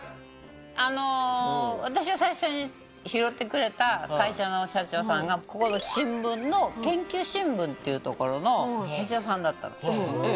あの私を最初に拾ってくれた会社の社長さんがここの新聞の『研究新聞』っていうところの社長さんだったの。